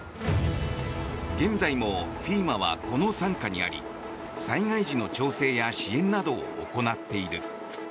現在もＦＥＭＡはこの傘下にあり災害時の調整や支援などを行っている。